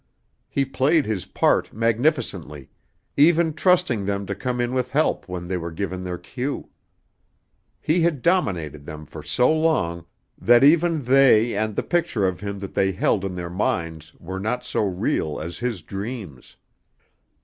He played his part magnificently, even trusting them to come in with help when they were given their cue. He had dominated them for so long that even they and the picture of him that they held in their minds were not so real as his dreams.